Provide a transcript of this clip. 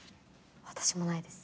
私もないです。